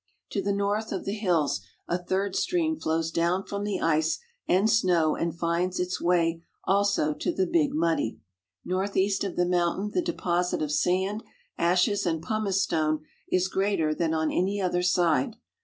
To the north of the hills a third stream flows down from the ice and snow and finds its way also to the Big Muddy. Northeast of the mountain the deposit of sand, ashes, and pumice stone is greater than on any other side.